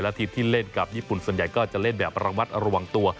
ทีมที่เล่นกับญี่ปุ่นส่วนใหญ่ก็จะเล่นแบบระมัดระวังตัว